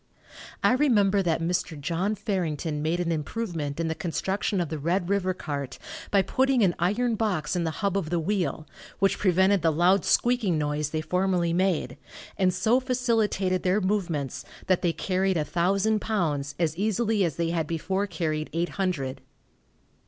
I remember that Mr. John Farrington made an improvement in the construction of the Red river cart, by putting an iron box in the hub of the wheel, which prevented the loud squeaking noise they formerly made, and so facilitated their movements that they carried a thousand pounds as easily as they had before carried eight hundred.